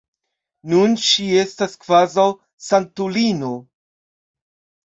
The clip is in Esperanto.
Nun ŝi estas kvazaŭ sanktulino.